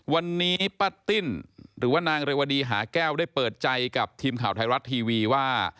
วันนี้ป้าติ้นหรือว่านางเรวดีหาแก้วได้เปิดใจกับทีมข่าวไทยรัฐทีวีว่า